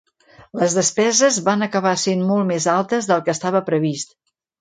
Les despeses van acabar sent molt més altes del que estava previst.